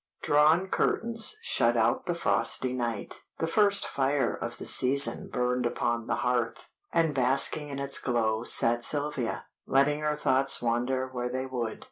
Drawn curtains shut out the frosty night, the first fire of the season burned upon the hearth, and basking in its glow sat Sylvia, letting her thoughts wander where they would.